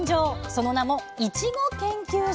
その名も「いちご研究所」